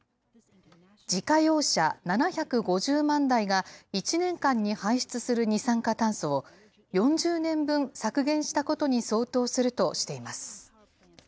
自家用車７５０万台が、１年間に排出する二酸化炭素を４０年分削減したことに相当するとしています。